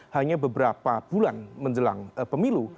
hanya beberapa bulan menjelang pemilu